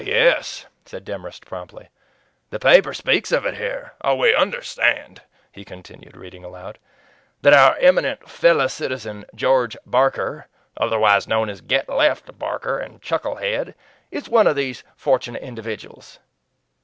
"Yes," said Demorest promptly; "the paper speaks of it here. 'We understand,'" he continued, reading aloud, "'that our eminent fellow citizen, George Barker, otherwise known as "Get Left Barker" and "Chucklehead," is one of these fortunate individuals.'"